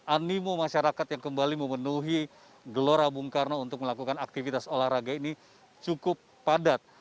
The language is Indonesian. animo masyarakat yang kembali memenuhi gelora bung karno untuk melakukan aktivitas olahraga ini cukup padat